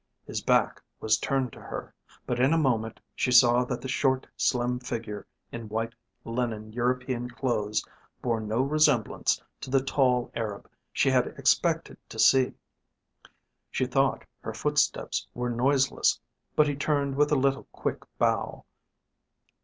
His back was turned to her, but in a moment she saw that the short, slim figure in white linen European clothes bore no resemblance to the tall Arab she had expected to see. She thought her footsteps were noiseless, but he turned with a little quick bow.